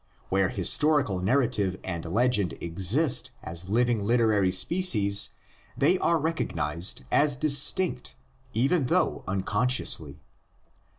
Where historical narrative and legend exist as living literary species, they are recognised as distinct, even though uncon sciously.